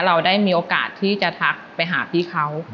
เราได้มีโอกาสที่จะทักไปหาพี่เขา